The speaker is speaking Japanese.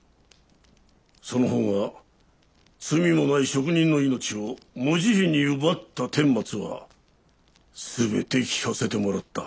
その方が罪のない職人の命を無慈悲に奪ったてんまつは全て聞かせてもらった。